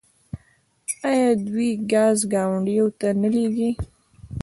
آیا دوی ګاز ګاونډیو ته نه لیږي؟